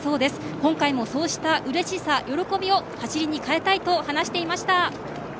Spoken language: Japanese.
今回もそうしたうれしさ、喜びを走りに変えたいと話していました。